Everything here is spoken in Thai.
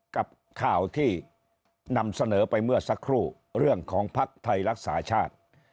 กับข่าวที่นำเสนอไปเมื่อสักครู่เรื่องของภักดิ์ไทยรักษาชาติ